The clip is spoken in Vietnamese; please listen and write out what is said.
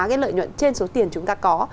cái lợi nhuận trên số tiền chúng ta có